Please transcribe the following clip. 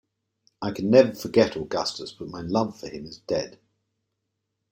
I can never forget Augustus, but my love for him is dead.